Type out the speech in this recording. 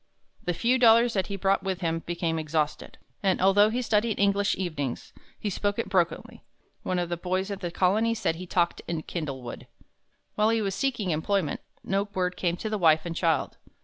The few dollars that he brought with him became exhausted, and although he studied English evenings, he spoke it brokenly. One of the boys at the Colony said he talked in "kindlewood." While he was seeking employment, no word came to the wife and child.